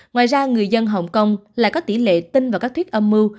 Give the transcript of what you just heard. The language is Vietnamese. ngoài ra người dân hồng kông lại có tỷ lệ tin vào các thuyết âm mưu